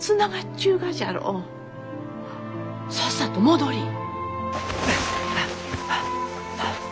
さっさと戻りい。